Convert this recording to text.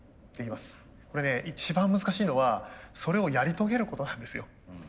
これね一番難しいのはそれをやり遂げることなんですよ。